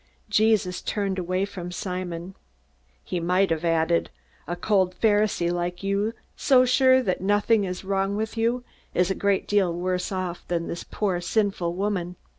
Jesus turned away from Simon. He might have added: "A cold Pharisee like you, so sure that nothing is wrong with you, is a great deal worse off than this poor, sinful woman.